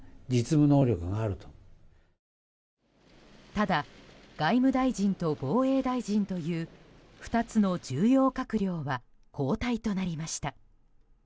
ただ外務大臣と防衛大臣という２つの重要閣僚は交代となりました。